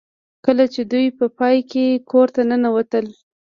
کله چې دوی په پای کې کور ته ننوتل